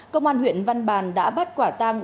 công an huyện văn bàn đã bắt quả tàng